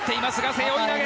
背負い投げ！